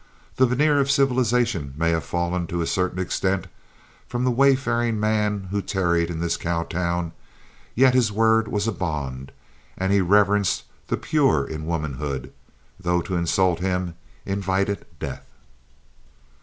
The veneer of civilization may have fallen, to a certain extent, from the wayfaring man who tarried in this cow town, yet his word was a bond, and he reverenced the pure in womanhood, though to insult him invited death.